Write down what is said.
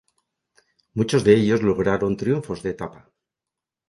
Muchos de ellos lograron triunfos de etapa.